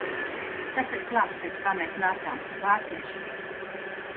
Tas ir klāt pēc kā mēs nācām, Vācieši!